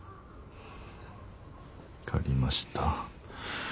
分かりました。